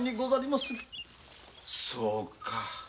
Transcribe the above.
そうか。